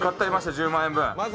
１０万円分。